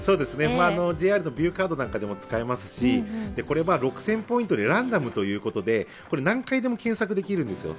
ＪＲのビューカードなどでも使えますし、６０００ポイントでランダムということで何回でも検索できるんですよ。